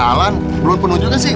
belum punya penunjuknya sih